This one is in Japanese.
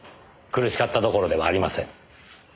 苦しかったどころではありません。